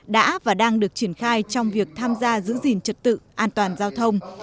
đã và đang được triển khai trong việc tham gia giữ gìn trật tự an toàn giao thông